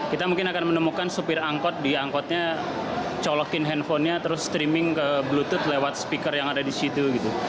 kita mungkin akan menemukan supir angkot di angkotnya colokin handphonenya terus streaming ke bluetooth lewat speaker yang ada di situ gitu